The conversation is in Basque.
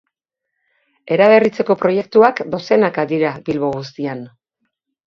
Eraberritzeko proiektuak dozenaka dira Bilbo guztian.